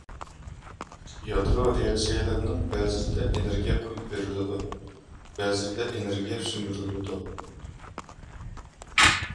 يادرو رېئاكسىيەلىرىنىڭ بەزىلىرىدە ئېنېرگىيە قويۇپ بېرىلىدۇ، بەزىلىرىدە ئېنېرگىيە سۈمۈرۈلىدۇ.